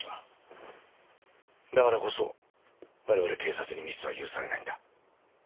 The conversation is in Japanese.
だからこそ我々警察にミスは許されないんだ。